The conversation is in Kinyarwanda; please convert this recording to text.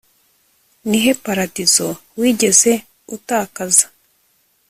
Nihe paradizo wigeze utakaza